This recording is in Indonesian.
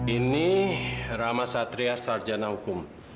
ini rama satria sarjana hukum